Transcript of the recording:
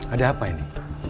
ada apa ini